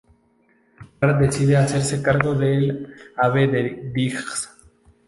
Bart decide hacerse cargo del ave de Diggs.